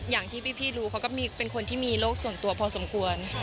อย่างที่พี่รู้เขาก็เป็นคนที่มีโรคส่วนตัวพอสมควร